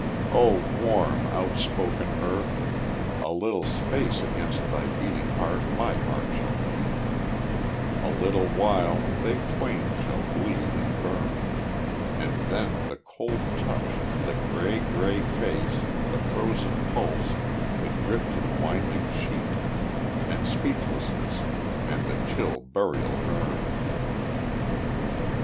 O warm, outspoken earth, a little space Against thy beating heart my heart shall beat, A little while they twain shall bleed and burn, And then the cold touch and the gray, gray face, The frozen pulse, the drifted winding sheet, And speechlessness, and the chill burial urn.